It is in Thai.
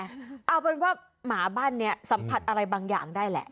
เอาเป็นว่าหมาบ้านนี้สัมผัสอะไรบางอย่างได้แหละ